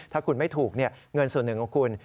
ถ้าคุณไม่ถูกเงินส่วนหนึ่งของคุณ